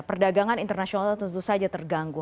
perdagangan internasional tentu saja terganggu